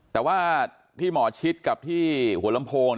แต่ว่าที่หมอชิดกับที่หัวลำโพง